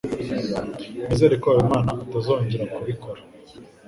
Nizere ko Habimana atazongera kubikora.